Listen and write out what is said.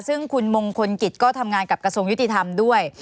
ซึ่งคุณมงคลกิจก็ทำงานกับกระทรวงยุติธรรมด้วย